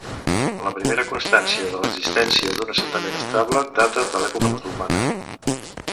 La primera constància de l'existència d'un assentament estable data de l'època musulmana.